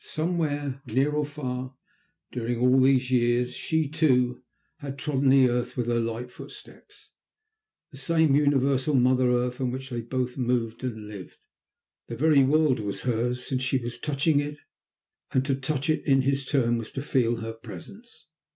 Somewhere, near or far, during all these years, she, too, had trodden the earth with her light footsteps, the same universal mother earth on which they both moved and lived. The very world was hers, since she was touching it, and to touch it in his turn was to feel her presence.